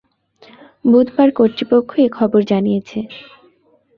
বুধবার কর্তৃপক্ষ এ খবর জানিয়েছে।